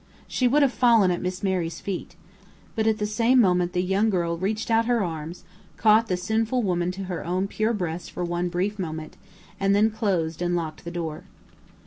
She would have fallen at Miss Mary's feet. But at the same moment the young girl reached out her arms, caught the sinful woman to her own pure breast for one brief moment, and then closed and locked the door.